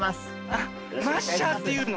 あっマッシャーというの？